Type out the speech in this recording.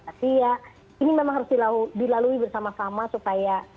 tapi ya ini memang harus dilalui bersama sama supaya